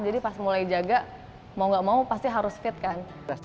jadi pas mulai jaga mau gak mau pasti harus fit kan